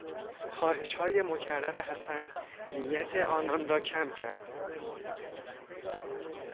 خواهشهای مکرر حسن نیت آنان را کم کرد.